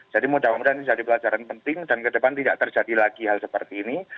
jadi mudah mudahan ini jadi pelajaran penting dan ke depan tidak terjadi lagi hal seperti ini